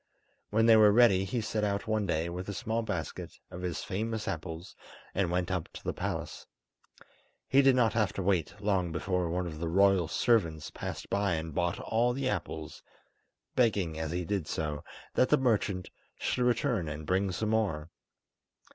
When they were ready, he set out one day with a small basket of his famous apples, and went up to the palace. He did not have to wait long before one of the royal servants passed by and bought all the apples, begging as he did so that the merchant should return and bring some more.